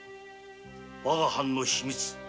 我が藩の秘密